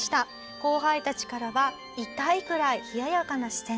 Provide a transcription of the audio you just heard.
後輩たちからは痛いぐらい冷ややかな視線。